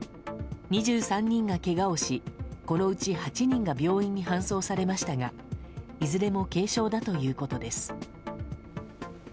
２３人がけがをしこのうち８人が病院に搬送されましたがいずれも軽傷だということです。